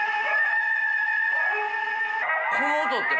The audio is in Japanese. この音って）